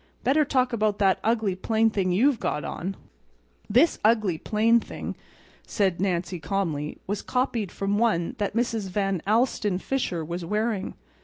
Better talk about that ugly, plain thing you've got on." "This ugly, plain thing," said Nancy, calmly, "was copied from one that Mrs. Van Alstyne Fisher was wearing.